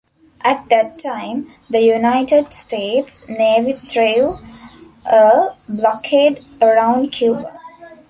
At that time, the United States Navy threw a blockade around Cuba.